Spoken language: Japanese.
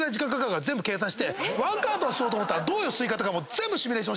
１カートン吸おうと思ったらどういう吸い方かシミュレーションして。